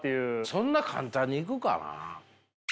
そんな簡単にいくかな。